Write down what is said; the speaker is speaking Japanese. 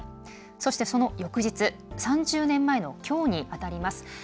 そして、その翌日３０年前のきょうにあたります。